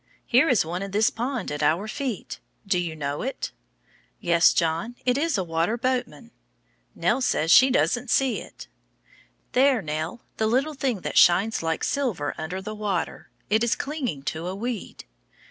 Here is one in this pond at our feet. Do you know it? Yes, John; it is the water boatman. Nell says she doesn't see it. There, Nell, that little thing that shines like silver under the water. It is clinging to a weed.